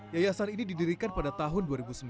yayasan ini didirikan pada tahun dua ribu sembilan